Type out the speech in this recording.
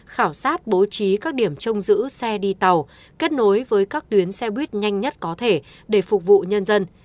khảo sát bố trí các điểm trông giữ xe đi tàu kết nối với các tuyến xe buýt nhanh nhất có thể để phục vụ nhân dân